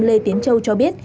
lê tiến châu cho biết